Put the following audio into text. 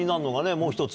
もう１つ。